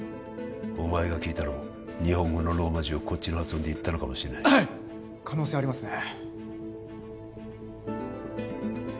お前が聞いたのも日本語のローマ字をこっちの発音で言ったのかもはい可能性ありますね